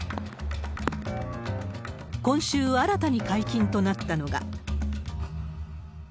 今週、新たに解禁となったのが。